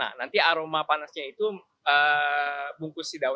nah nanti aroma panasnya itu bungkus di daun